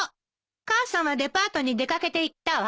母さんはデパートに出掛けていったわ。